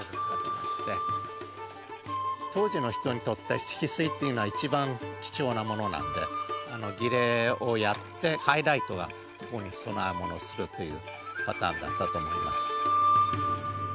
当時の人にとってヒスイっていうのは一番貴重なものなんで儀礼をやってハイライトがここに供え物をするというパターンだったと思います。